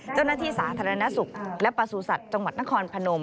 เจ้าหน้าที่สาธารณสุขและประสูจัตว์จังหวัดนครพนม